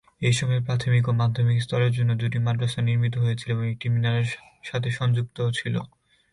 এই সময়ে, প্রাথমিক ও মাধ্যমিক স্তরের জন্য দুটি মাদ্রাসা নির্মিত হয়েছিল এবং একটি মিনারের সাথে সংযুক্ত ছিল।